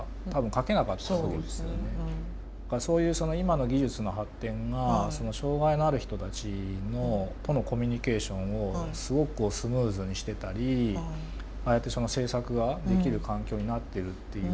そういうその今の技術の発展が障害のある人たちとのコミュニケーションをすごくスムーズにしてたりああやってその制作ができる環境になってるっていう。